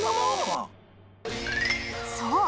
そう！